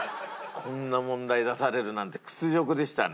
こんな問題出されるなんて屈辱でしたね。